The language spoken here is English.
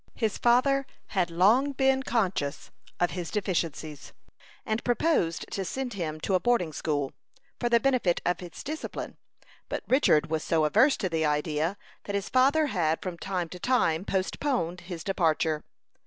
His father had long been conscious of his deficiencies, and proposed to send him to a boarding school, for the benefit of its discipline; but Richard was so averse to the idea, that his father had from time to time postponed his departure.